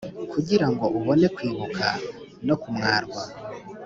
kugira ngo ubone kwibuka no kumwarwa